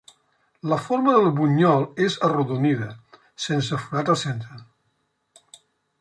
La forma del bunyol és arrodonida, sense forat al centre.